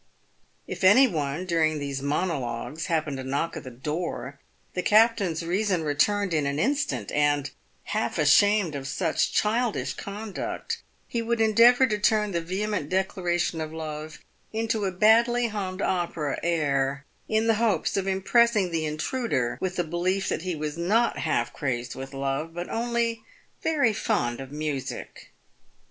If any one, during these monologues, hap pened to knock at the door, the captain's reason returned in an in stant, and, half ashamed of such childish conduct, he would endeavour to turn the vehement declaration of love into a badly hummed opera air, in the hopes of impressing the intruder with the belief that he was not half crazed with love, but only very fond of music.